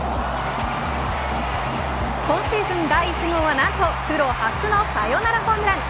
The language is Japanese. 今シーズン第１号はなんとプロ初のサヨナラホームラン。